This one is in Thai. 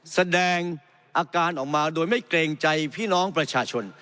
แสดงอาการออกมาโดยไม่เกรงใจพี่น้องประชาชน